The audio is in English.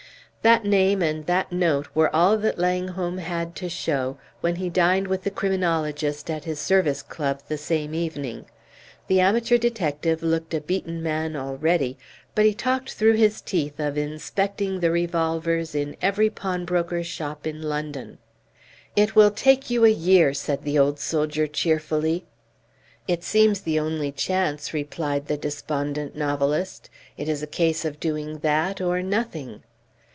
That name and that note were all that Langholm had to show when he dined with the criminologist at his service club the same evening. The amateur detective looked a beaten man already, but he talked through his teeth of inspecting the revolvers in every pawnbroker's shop in London. "It will take you a year," said the old soldier, cheerfully. "It seems the only chance," replied the despondent novelist. "It is a case of doing that or nothing."